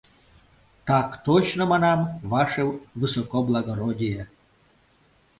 — Так точно, манам, ваше высокоблагородие...